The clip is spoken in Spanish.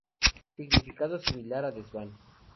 Significado similar a desván.